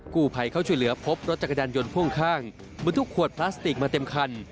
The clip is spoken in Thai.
ผู้ภัยเข้าช่วยเหลือพบรถจักรยานยนต์พ่วงข้างบรรทุกขวดพลาสติกมาเต็มคัน